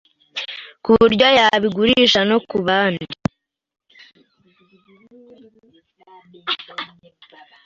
ku buryo yabigurisha no kubandi